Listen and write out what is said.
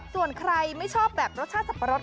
ส่วนใครไม่ชอบแบบรสชาติสับปะรด